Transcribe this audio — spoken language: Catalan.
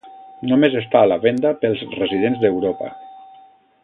Només està a la venda pels residents d'Europa.